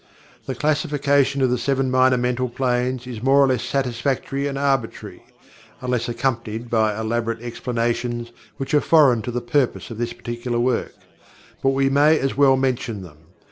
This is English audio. The classification of the Seven Minor Mental Planes is more or less satisfactory and arbitrary (unless accompanied by elaborate explanations which are foreign to the purpose of this particular work), but we may as well mention them.